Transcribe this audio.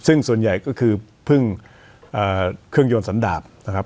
ซึ่งส่วนใหญ่ก็คือพึ่งเครื่องยนต์สันดาบนะครับ